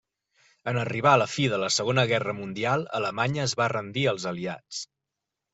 En arribar la fi de la Segona Guerra Mundial Alemanya es va rendir als Aliats.